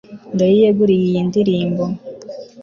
Ndayiyeguriye iyi ndirimbo